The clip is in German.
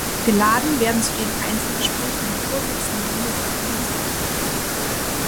Geladen werden zu den Einzelgesprächen die Vorsitzenden der Parlamentsparteien.